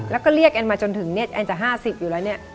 แล้วก็เรียกแอนมาจนถึงเนี่ยแอนจะ๕๐อยู่แล้วเนี่ย